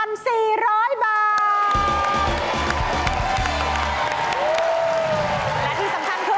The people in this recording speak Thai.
และที่สำคัญคือ